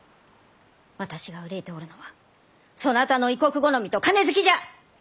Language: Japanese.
私が憂いておるのはそなたの異国好みと金好きじゃ！